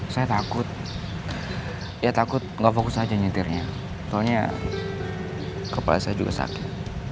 saya takut ya takut nggak fokus aja nyetirnya soalnya kepala saya juga sakit